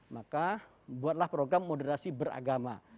maka buatlah program moderasi beragama